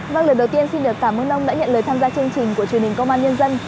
vâng lời đầu tiên xin được cảm ơn ông đã nhận lời tham gia chương trình của truyền hình công an nhân dân